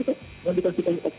kalau dikasih penguji